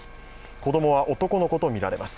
子供は男の子とみられます。